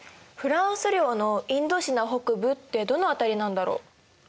フランス領のインドシナ北部ってどの辺りなんだろう？